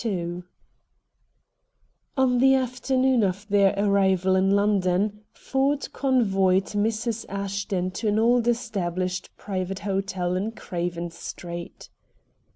II On the afternoon of their arrival in London Ford convoyed Mrs. Ashton to an old established private hotel in Craven Street.